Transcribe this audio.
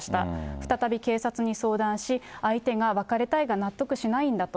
再び警察に相談し、相手が別れたいが納得しないんだと。